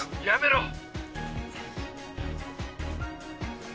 やめろ！